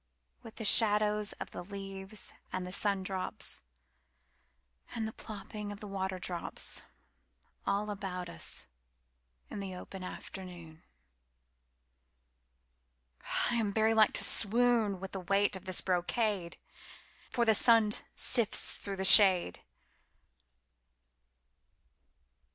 With the shadows of the leaves and the sundrops, And the plopping of the waterdrops, All about us in the open afternoon—I am very like to swoonWith the weight of this brocade, For the sun sifts through the shade.